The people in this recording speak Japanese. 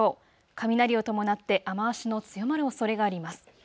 雷を伴って雨足の強まるおそれがあります。